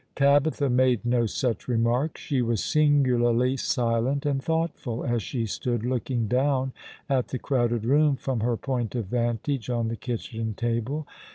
Tabitha made no such remarks. She was singularly silent and thoughtful, as she stood looking down at the crowded room from her point of vantage on the kitchen table.